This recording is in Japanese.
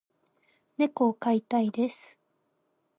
猫を飼いたいです。